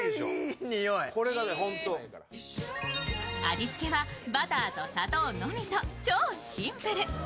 味付けはバターと砂糖のみと超シンプル。